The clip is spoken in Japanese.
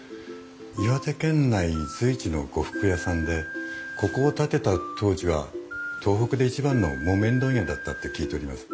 岩手県内随一の呉服屋さんでここを建てた当時は東北で一番の木綿問屋だったって聞いております。